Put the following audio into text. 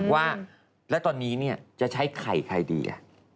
ว่าแล้วตอนนี้จะใช้ไข่ใครดี